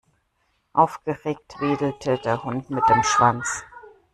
Aufgeregt wedelte der Hund mit dem Schwanz.